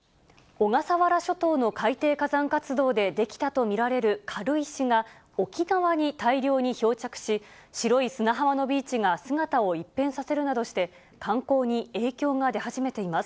小笠原諸島の海底火山活動で出来たと見られる軽石が、沖縄に大量に漂着し、白い砂浜のビーチが姿を一変させるなどして、観光に影響が出始めています。